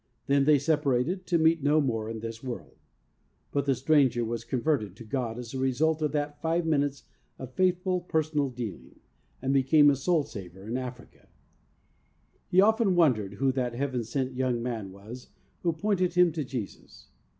Then they separated to meet no more in this world ; but the stranger was converted to God as a result of that five minutes of faithful, personal dealing, and became a soul saver in Africa. He often wondered who that Heaven sent young man was who pointed him to Jesus.